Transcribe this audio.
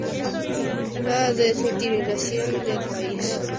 La desmilitarización del país es otro punto de su agenda.